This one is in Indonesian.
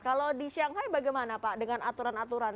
kalau di shanghai bagaimana pak dengan aturan aturan